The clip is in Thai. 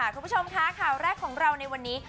คุณผู้ชมคะข่าวแรกของเราในวันนี้